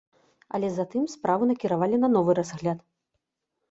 Але затым справу накіравалі на новы разгляд.